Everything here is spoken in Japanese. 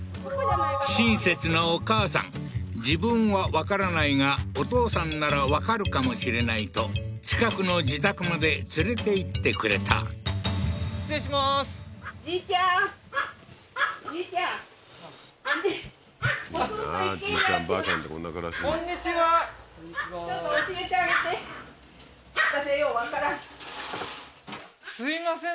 親切なお母さん自分は分からないがお父さんなら分かるかもしれないと近くの自宅まで連れていってくれたこんにちはあっ